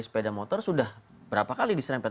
sepeda motor sudah berapa kali diserempet